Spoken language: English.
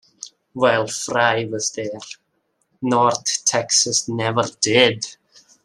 While Fry was there, North Texas never did.